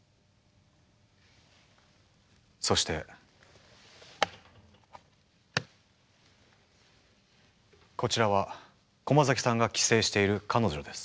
そしてこちらは駒崎さんが寄生している彼女です。